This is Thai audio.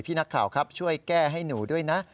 นักข่าวครับช่วยแก้ให้หนูด้วยนะ